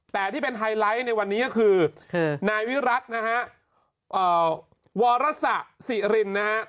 แต่ที่เป็นไฮไลท์ในวันนี้ก็คือนายวิรัตินะฮะวรสะสิรินนะฮะ